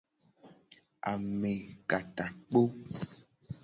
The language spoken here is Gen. Amekatakpo.